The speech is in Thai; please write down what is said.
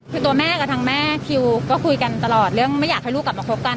คือตัวแม่กับทางแม่คิวก็คุยกันตลอดเรื่องไม่อยากให้ลูกกลับมาคบกัน